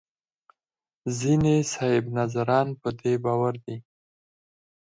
ځینې صاحب نظران په دې باور دي.